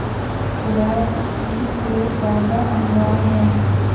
گلاب کی سے زیادہ انواع ہیں